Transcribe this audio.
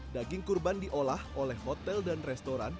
daging kurban diolah oleh hotel dan restoran